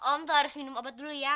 om tuh harus minum obat dulu ya